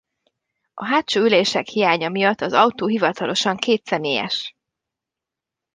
A hátsó ülések hiánya miatt az autó hivatalosan kétszemélyes.